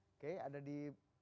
oke ada di